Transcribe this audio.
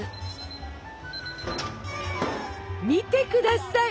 見てください。